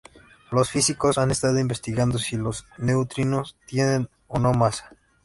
Los físicos han estado investigando si los neutrinos tienen o no masa.